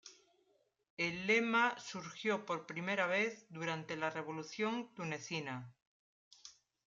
El lema surgió por primera vez durante la Revolución tunecina.